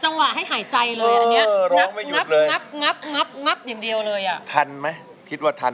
งับอย่างเดียวเลย